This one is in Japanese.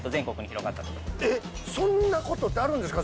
えっそんなことってあるんですか